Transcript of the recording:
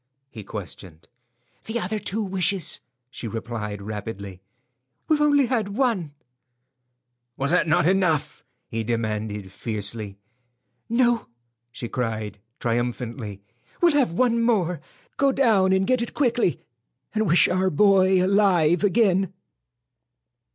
he questioned. "The other two wishes," she replied, rapidly. "We've only had one." "Was not that enough?" he demanded, fiercely. "No," she cried, triumphantly; "we'll have one more. Go down and get it quickly, and wish our boy alive again."